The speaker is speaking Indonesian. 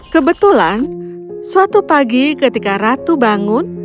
kebetulan suatu pagi ketika ratu bangun